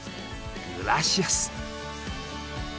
グラシアス！